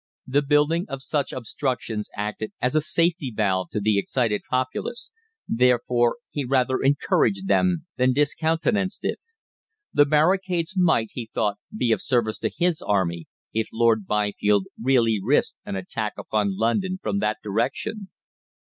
The building of such obstructions acted as a safety valve to the excited populace, therefore he rather encouraged than discountenanced it. The barricades might, he thought, be of service to his army if Lord Byfield really risked an attack upon London from that direction.